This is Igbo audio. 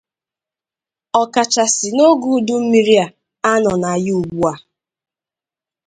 ọkachasị n'oge udummiri a a nọ na ya ugbua